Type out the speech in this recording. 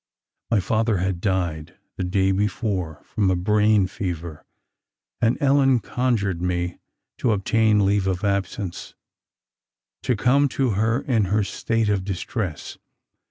My father had died the day before from a brain fever; and Ellen conjured me to obtain leave of absence, to come to her in her state of distress.